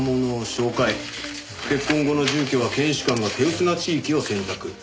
「結婚後の住居は検視官が手薄な地域を選択」。